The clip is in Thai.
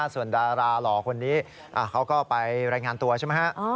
ส่วนดาราหล่อคนนี้เขาก็ไปรายงานตัวใช่ไหมฮะ